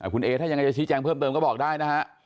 คุณเอถ้ายังไงจะชี้แจงเพิ่มเติมก็บอกได้นะฮะ